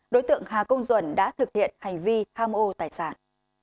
đối tượng hà công duẩn đã thực hiện hành vi tham ô tài sản